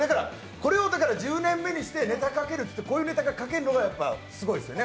これを１０年目にしてネタかけるって言ってこういうネタ書けるってすごいですね。